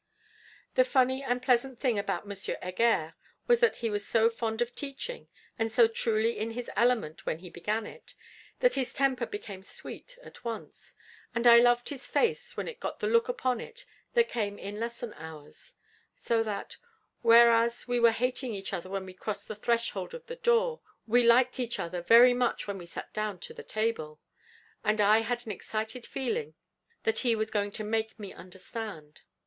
The funny and pleasant thing about M. Heger was that he was so fond of teaching, and so truly in his element when he began it, that his temper became sweet at once; and I loved his face when it got the look upon it that came in lesson hours: so that, whereas we were hating each other when we crossed the threshold of the door, we liked each other very much when we sat down to the table; and I had an excited feeling that he was going to make me understand.